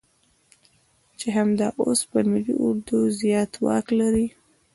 چې همدا اوس په ملي اردو زيات واک لري.